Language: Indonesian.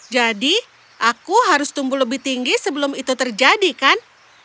jadi aku harus tumbuh lebih tinggi sebelum itu terjadi kan